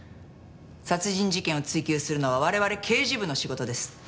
殺人事件を追及するのは我々刑事部の仕事です。